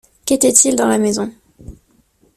Qu’était-il dans la maison?